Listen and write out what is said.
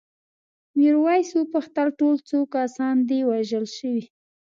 میرويس وپوښتل ټول څو کسان دي وژل شوي؟